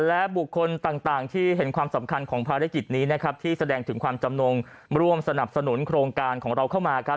และบุคคลต่างที่เห็นความสำคัญของภารกิจนี้นะครับที่แสดงถึงความจำนงร่วมสนับสนุนโครงการของเราเข้ามาครับ